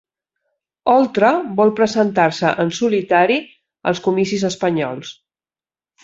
Oltra vol presentar-se en solitari als comicis espanyols